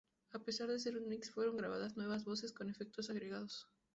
A pesar de ser un mix fueron grabadas nuevas voces con efectos agregados.